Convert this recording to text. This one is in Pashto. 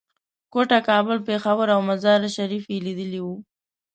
کوټه، کابل، پېښور او مزار شریف یې لیدلي وو.